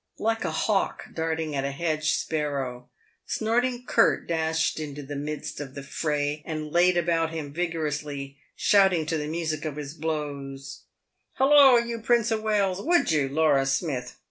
Like a hawk darting at a hedge sparrow, Snorting Curt dashed into the midst of the fray, and laid about him vigorously, shouting to the music of his blows, " Hulloa, you Prince o' Wales !— would you, Laura Smith